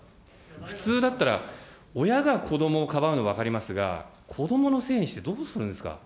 普通だったら、親が子どもをかばうのは分かりますが、子どものせいにしてどうするんですか。